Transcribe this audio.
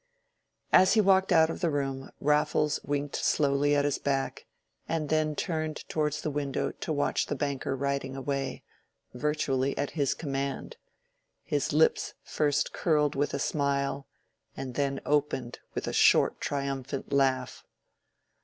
As he walked out of the room, Raffles winked slowly at his back, and then turned towards the window to watch the banker riding away—virtually at his command. His lips first curled with a smile and then opened with a short triumphant laugh.